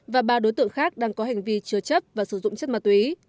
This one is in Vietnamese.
và ba đối tượng khác đang có hành vi chứa chấp và sử dụng chất ma túy